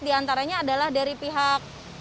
di antaranya adalah dari pihak